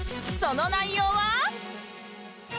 その内容は